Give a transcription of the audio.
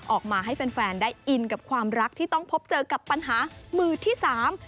ออกมาให้แฟนแฟนได้อินกับความรักที่ต้องพบเจอกับปัญหามือที่สาม